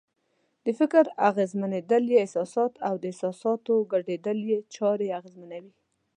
د فکر اغېزمنېدل یې احساسات او د احساساتو ګډوډېدل یې چارې اغېزمنوي.